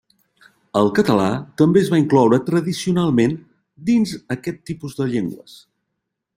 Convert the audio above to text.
El català també es va incloure tradicionalment dins aquest tipus de llengües.